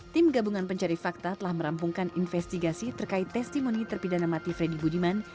tim gabungan pencari fakta telah merampungkan investigasi terkait testimoni terpidana mati freddy budiman